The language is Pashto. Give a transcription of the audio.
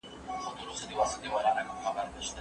که موږ رښتیا پوه شو، نو له غلطو پیغامونو ځان ساتو.